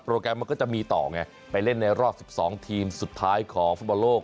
แกรมมันก็จะมีต่อไงไปเล่นในรอบ๑๒ทีมสุดท้ายของฟุตบอลโลก